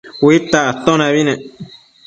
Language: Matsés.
Uidta atonabi nec